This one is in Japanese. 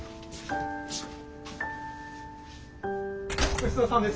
ごちそうさんです。